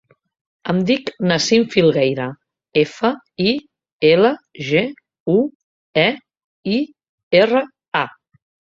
Em dic Nassim Filgueira: efa, i, ela, ge, u, e, i, erra, a.